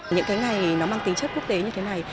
những cái ngày nó mang tính chất quốc tế như thế này